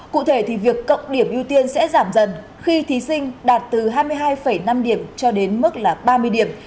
cụ thể thì việc cộng điểm ưu tiên sẽ giảm dần khi thí sinh đạt từ hai mươi hai năm điểm cho đến mức là ba mươi điểm